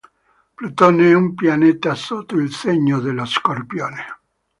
Plutone è un pianeta sotto il segno dello Scorpione.